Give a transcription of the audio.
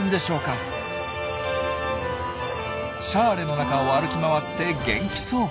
シャーレの中を歩き回って元気そう。